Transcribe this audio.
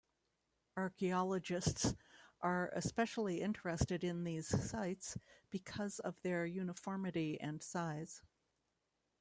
Archeologists are especially interested in these sites because of their uniformity and size.